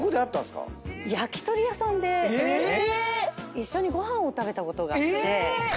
一緒にご飯を食べたことがあって。